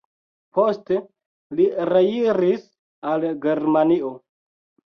Poste li reiris al Germanio.